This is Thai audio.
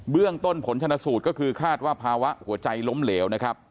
เรื่องต้นผลชนสูตรก็คือคาดว่าภาวะหัวใจล้มเหลวนะครับ